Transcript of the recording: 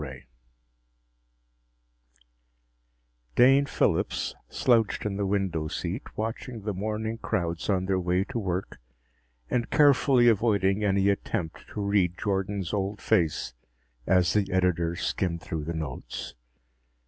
_ Dane Phillips slouched in the window seat, watching the morning crowds on their way to work and carefully avoiding any attempt to read Jordan's old face as the editor skimmed through the notes.